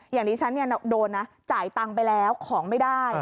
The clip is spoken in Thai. อย่างนี้ฉันโดนนะจ่ายตังค์ไปแล้วของไม่ได้